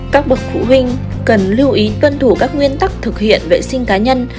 các bậc phụ huynh cần lưu ý tuân thủ các nguyên tắc thực hiện vệ sinh cá nhân